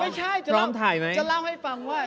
ไม่ใช่จะเล่าให้ฟังว่า